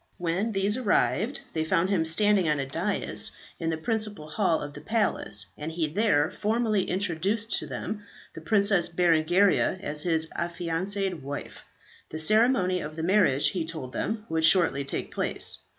When these arrived, they found him standing on a da‹s in the principal hall of the palace, and he there formally introduced to them the Princess Berengaria as his affianced wife. The ceremony of the marriage, he told them, would shortly take place.